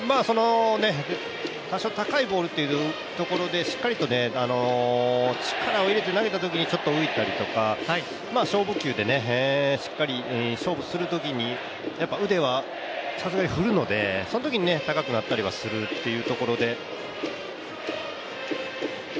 多少高いボールというところで、しっかりと力を入れて投げたときにちょっと浮いたりとか勝負球でしっかり勝負するときに腕はさすがに振るので、そのときに高くなったりはするっていうところで。